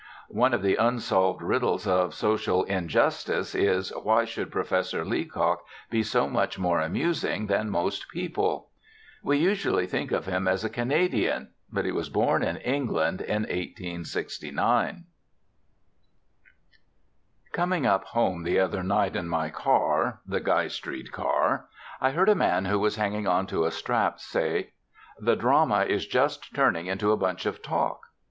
One of the unsolved riddles of social injustice is, why should Professor Leacock be so much more amusing than most people? We usually think of him as a Canadian, but he was born in England in 1869. Coming up home the other night in my car (the Guy Street car), I heard a man who was hanging onto a strap say: "The drama is just turning into a bunch of talk."